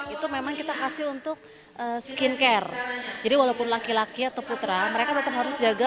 itu memang kita kasih untuk skincare jadi walaupun laki laki atau putra mereka tetap harus jaga